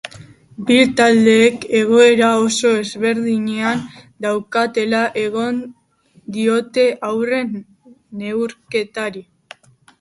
Bi taldeek egoera oso ezberdinean daudela egingo diote aurre neurketari.